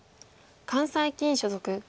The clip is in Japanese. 関西棋院所属。